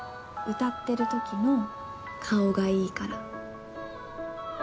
歌ってる時の顔がいいから。